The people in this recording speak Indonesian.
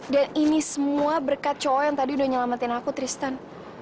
dan ini semua berkat cowok yang tadi udah nyelamatin aku tristan